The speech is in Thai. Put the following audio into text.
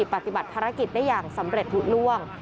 ปฏิบัติภารกิจได้อย่างสำเร็จหลุดล่วง